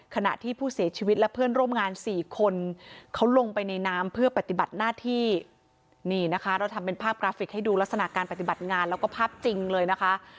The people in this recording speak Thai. ขณะที่ผู้เสียชีวิตและเพื่อนร่วมงาน๔คน